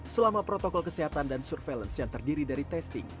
selama protokol kesehatan dan surveillance yang terdiri dari testing